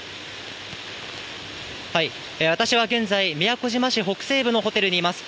私は現在、宮古島市北西部のホテルにいます。